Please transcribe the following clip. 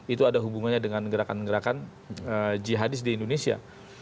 itu ada hubungannya dengan gerakan gerakan jihadis di indonesia